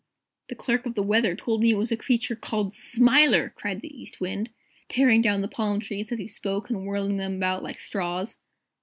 "The Clerk of the Weather told me it was a creature called 'Smiler'!" cried the East Wind, tearing down the palm trees as he spoke, and whirling them about like straws.